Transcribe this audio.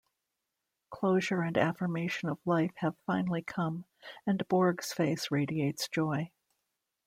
Closure and affirmation of life have finally come, and Borg's face radiates joy.